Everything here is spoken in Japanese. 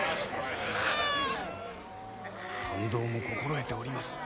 湛増も心得ております。